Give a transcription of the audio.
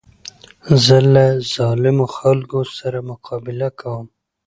زه له ظالمو خلکو سره مقابله کوم.